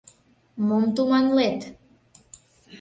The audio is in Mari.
Мом туманлет?